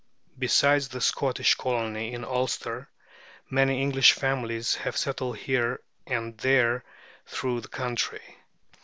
Besides the Scottish colony in Ulster, many English families have settled here and there through the country.